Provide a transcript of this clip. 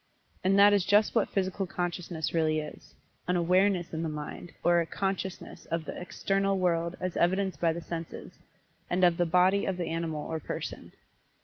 And that is just what Physical Consciousness really is an "awareness" in the mind, or a "consciousness" of the "external" world as evidenced by the senses; and of the "body" of the animal or person.